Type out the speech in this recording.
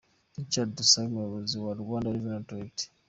Richard Tusabe Umuyobozi wa Rwanda Revenue Authority.